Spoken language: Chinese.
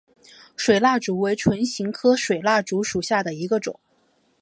水蜡烛为唇形科水蜡烛属下的一个种。